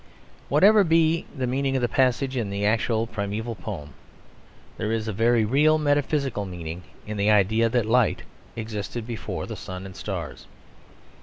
Whatever be the meaning of the passage in the actual primeval poem, there is a very real metaphysical meaning in the idea that light existed before the sun and stars.